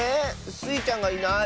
スイちゃんがいない！